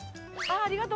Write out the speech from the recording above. ああ。